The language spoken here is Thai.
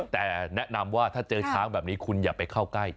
แต่แนะนำว่าถ้าเจอช้างแบบนี้คุณอย่าไปเข้าใกล้